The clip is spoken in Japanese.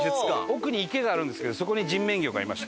奥に池があるんですけどそこに人面魚がいました。